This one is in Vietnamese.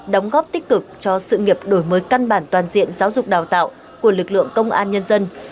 đóng góp tích cực cho sự nghiệp đổi mới căn bản toàn diện giáo dục đào tạo của lực lượng công an nhân dân